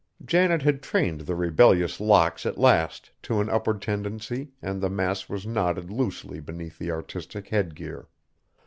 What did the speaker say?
Janet had trained the rebellious locks at last to an upward tendency and the mass was knotted loosely beneath the artistic headgear.